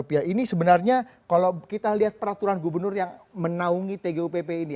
ini sebenarnya kalau kita lihat peraturan gubernur yang menaungi tgupp ini